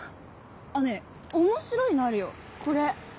あっねぇ面白いのあるよこれ。